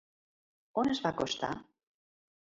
On es va acostar?